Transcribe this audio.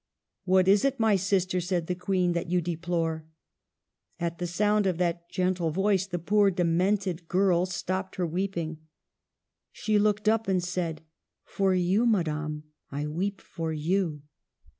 " What is it, my sister," said the Queen, " that you deplore?" At the sound of that gentle voice the poor demented girl stopped her weeping ; she looked up and said, '' For you, Madame ; I weep for you